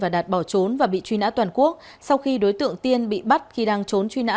và đạt bỏ trốn và bị truy nã toàn quốc sau khi đối tượng tiên bị bắt khi đang trốn truy nã